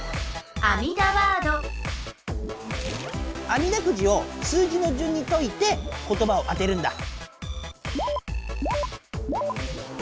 あみだくじを数字のじゅんにといて言葉を当てるんだ。